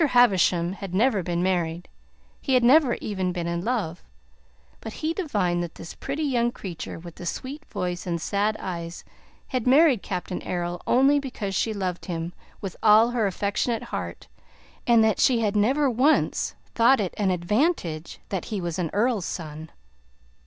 Havisham had never been married, he had never even been in love, but he divined that this pretty young creature with the sweet voice and sad eyes had married Captain Errol only because she loved him with all her affectionate heart, and that she had never once thought it an advantage that he was an earl's son.